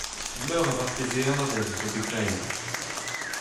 Meur a vartezeadenn zo bet graet.